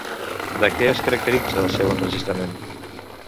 De què es caracteritza el seu enregistrament?